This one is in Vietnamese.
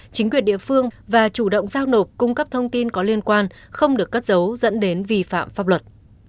chính quyền địa phương và chủ động giao nộp cung cấp thông tin có liên quan không được cất giấu dẫn đến vi phạm pháp luật